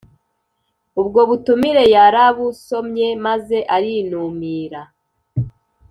Ubwo butumire yarabusomye, maze arinumira